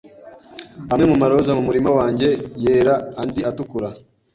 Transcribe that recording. Amwe mumaroza mumurima wanjye yera, andi atukura.